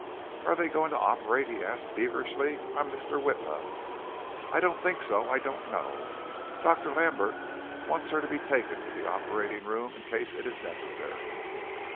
"Are they going to operate?" he asked feverishly. "I'm Mr. Witla." "I don't think so. I don't know. Dr. Lambert wants her to be taken to the operating room in case it is necessary."